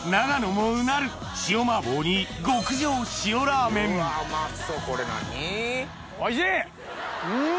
もうなる塩麻婆に極上塩ラーメンうわ